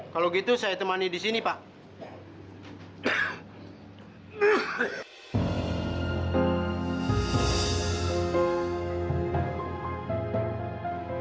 kalau gitu saya temani di sini pak